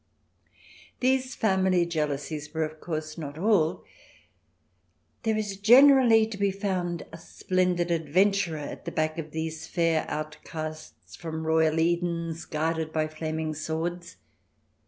These family jealousies were, of course, not all. There generally is to be found a splendid adven turer at the back of these fair outcasts from royal Edens guarded by flaming swords.